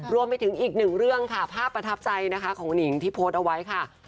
รวมไปถึงอีกหนึ่งเรื่องค่ะภาพประทับใจนะคะของหนิงที่โพสต์เอาไว้ค่ะ